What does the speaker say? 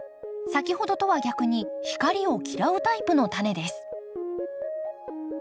先ほどとは逆に光を嫌うタイプのタネです